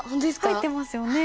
入ってますよね。